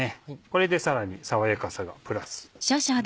これでさらに爽やかさがプラス。